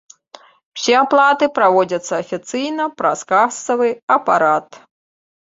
Усе аплаты праводзяцца афіцыйна, праз касавы апарат.